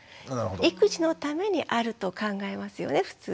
育児のためにあると考えますよね普通。